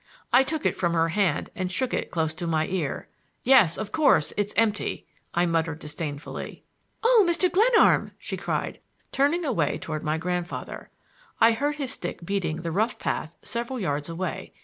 I took it from her hand and shook it close to my ear. "Yes; of course, it's empty," I muttered disdainfully. "Oh, Mr. Glenarm!" she cried, turning away toward my grandfather. I heard his stick beating the rough path several yards away.